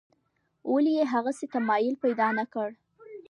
ولې یې هغسې تمایل پیدا نکړ.